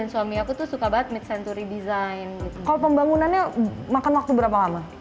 suami aku tuh suka banget mid century design kalau pembangunannya makan waktu berapa lama